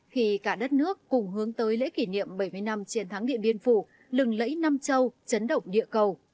khi cả đất nước cùng hướng tới lễ kỷ niệm bảy mươi năm chiến thắng điện biên phủ lừng lẫy nam châu chấn động địa cầu